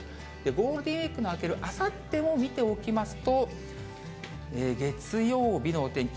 ゴールデンウィークの明けるあさっても見ておきますと、月曜日のお天気、